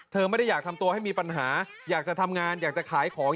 ไม่ได้อยากทำตัวให้มีปัญหาอยากจะทำงานอยากจะขายของ